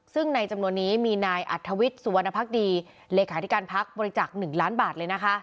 ซึ่งในจำนวนนี้มีนายอัธวิชสุวรรณภักดีเลขาธิการภักดิ์บริจาค๑๐๐๐๐๐๐บาท